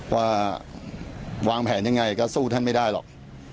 ว่าวางแผนยังไงก็สู้ท่านไม่ได้หรอก